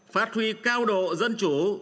phát huy cao độ dân chủ